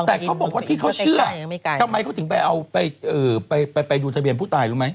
แต่เขาบอกว่าที่เขาเชื่อทำไมเขาถึงไปเอาไปดูทะเบียนผู้ตายรู้ไหม